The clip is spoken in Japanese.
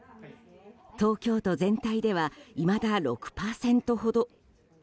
東京都全体ではいまだ６％ほど。